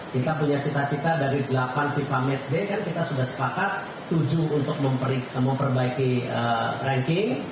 kita punya cita cita dari delapan fifa matchday kan kita sudah sepakat tujuh untuk memperbaiki ranking